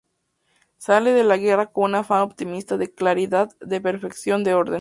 Sale de la guerra con un afán optimista de claridad, de perfección, de orden.